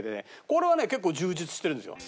これはね結構充実してるんですよ。